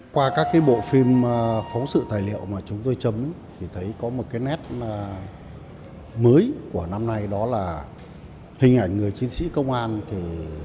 qua các bộ phim phóng sự tài liệu mà chúng tôi chấm thì thấy có một cái nét mới của năm nay đó là hình ảnh người chiến sĩ công an